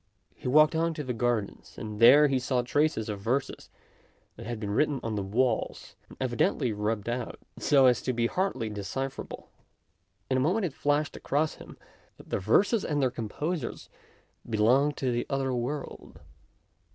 He walked on to the gardens, and there he saw traces of verses that had been written on the walls, and evidently rubbed out, so as to be hardly decipherable. In a moment it flashed across him that the verses and their composers belonged to the other world.